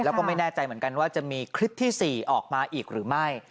แล้วก็ไม่แน่ใจเหมือนกันว่าจะมีคลิปที่๔ออกมาอีกหรือไม่